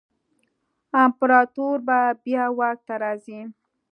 امپراتور به بیا واک ته راځي.